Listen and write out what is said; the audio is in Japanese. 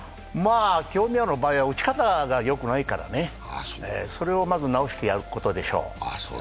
清宮の場合は打ち方がよくないからねそれをまず直してやることでしょう。